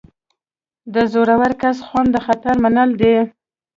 د زړور کس خوند د خطر منل دي.